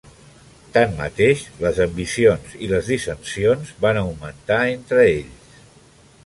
Tanmateix, les ambicions i les dissensions van augmentar entre ells.